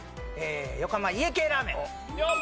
横浜家系ラーメン。